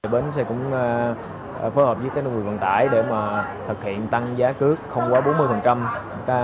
bến sẽ cũng phối hợp với các nguồn vận tải để mà thực hiện tăng giá cước không quá bốn mươi